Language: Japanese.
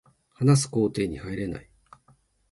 話す工程に入れない